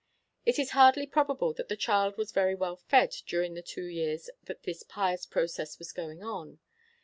It is hardly probable that the child was very well fed during the two years that this pious process was going on.